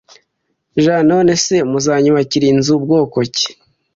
j none se muzanyubakira inzu bwoko ki